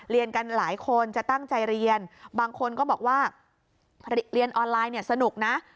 เรียนกันหลายคนจะตั้งใจเรียนบางคนก็บอกว่าเรียนออนไลน์เนี่ยสนุกนะ